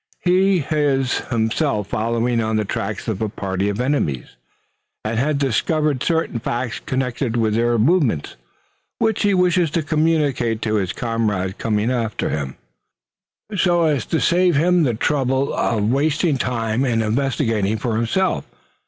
"He is himself following on the track of a party of enemies, and has discovered certain facts connected with their movements, which he wishes to communicate to his comrade coming after, so as to gave him the trouble of wasting time in investigating for himself.